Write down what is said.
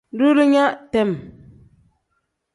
Duulinya tem.